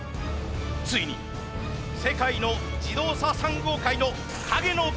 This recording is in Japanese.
ついに世界の自動車産業界の陰の番長登場。